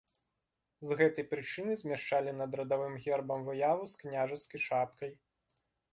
З гэтай прычыны змяшчалі над радавым гербам выяву з княжацкай шапкай.